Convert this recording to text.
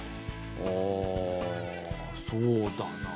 ああそうだな。